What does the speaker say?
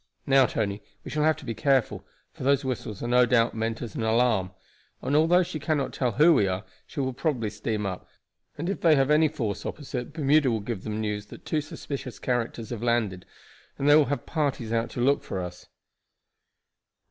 Now, Tony, we shall have to be careful, for those whistles are no doubt meant as an alarm; and although she cannot tell who we are, she will probably steam up, and if they have any force opposite Bermuda will give them news that two suspicious characters have landed, and they will have parties out to look for us."